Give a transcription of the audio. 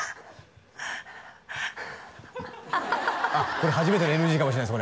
これ初めてのＮＧかもしれないです